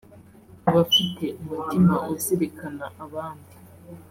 Abafite umutima uzirikana abandi